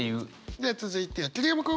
では続いては桐山君。